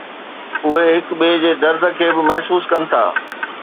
اهي هڪ ٻئي جي درد کي به محسوس ڪن ٿا